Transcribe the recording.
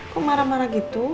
kok marah marah gitu